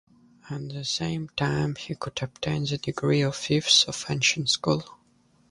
At the same time he could obtain the degree of fifth of ancient school.